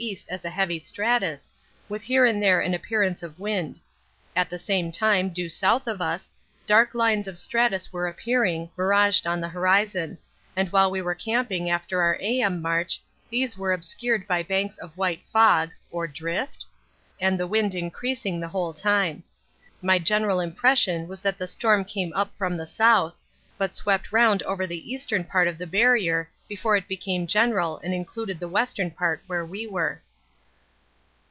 as a heavy stratus, with here and there an appearance of wind. At the same time, due south of us, dark lines of stratus were appearing, miraged on the horizon, and while we were camping after our A.M. march, these were obscured by banks of white fog (or drift?), and the wind increasing the whole time. My general impression was that the storm came up from the south, but swept round over the eastern part of the Barrier before it became general and included the western part where we were.